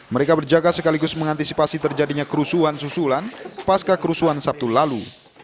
mereka berjaga sekaligus mengantisipasi terjadinya kerusuhan susulan pasca kerusuhan sabtu lalu